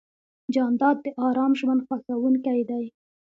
جانداد د ارام ژوند خوښوونکی دی.